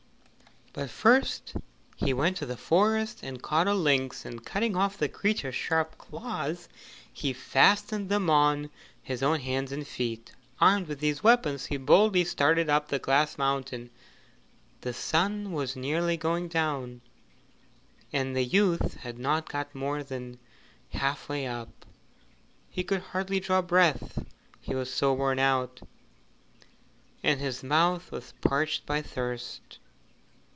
But first he went to the forest and caught a lynx, and cutting off the creature's sharp claws, he fastened them on to his own hands and feet. Armed with these weapons he boldly started up the Glass Mountain. The sun was nearly going down, and the youth had not got more than half way up. He could hardly draw breath he was so worn out, and his mouth was parched by thirst.